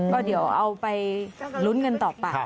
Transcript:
ก็เดี๋ยวเอาไปลุ้นกันต่อไป